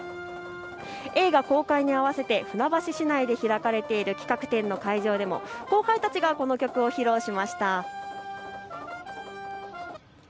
映画公開に合わせて船橋市内で開かれている企画展の会場でも後輩たちがこの曲を披露しました。